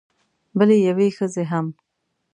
بلې یوې ښځې هم